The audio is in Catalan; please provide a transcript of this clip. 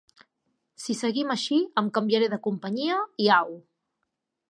Si seguim així em canviaré de companyia i au.